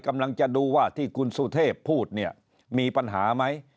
กำลังจะดูว่าที่คุณสุเทพพูดเนี่ยมีปัญหาไหม